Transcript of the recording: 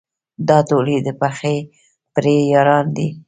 دا ټول یې د پخې پرې یاران دي.